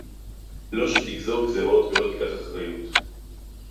לא שתגזור גזירות ולא תיקח אחריות